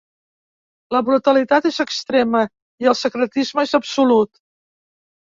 La brutalitat és extrema i el secretisme és absolut.